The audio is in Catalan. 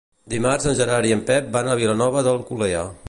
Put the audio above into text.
Dimarts en Gerard i en Pep van a Vilanova d'Alcolea.